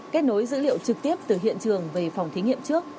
kết nối dữ liệu trực tiếp từ hiện trường về phòng thí nghiệm trước